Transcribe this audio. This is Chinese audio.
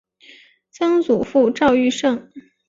曾祖父赵愈胜。